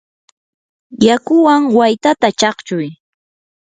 yakuwan waytata chaqchuy.